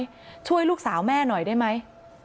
ไม่รู้ว่าจะช่วยลูกสาวแม่หน่อยได้ไหม